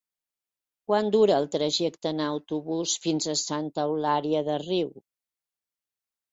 Quant dura el trajecte en autobús fins a Santa Eulària des Riu?